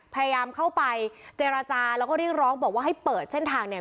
พยายามเข้าไปเจรจาแล้วก็เรียกร้องบอกว่าให้เปิดเส้นทางเนี่ย